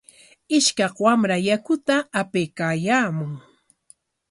Ishkaq wamra yakuta apaykaayaamun.